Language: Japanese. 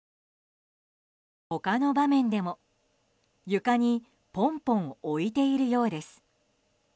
他の場面でも床にポンポン置いているようです。